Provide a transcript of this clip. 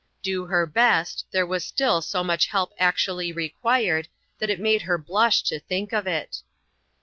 Do her best, there was still so much help act ually required, that it made her blush to think of it.